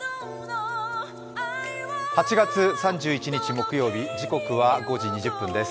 ８月３１日木曜日、時刻は５時２０分です。